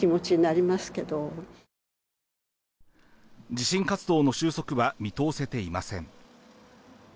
地震活動の収束は見通せていません。